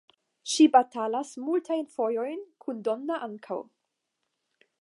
Ŝi batalas multajn fojojn kun Donna ankaŭ.